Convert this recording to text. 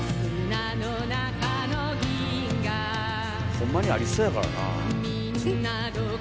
ほんまにありそうやからなあ。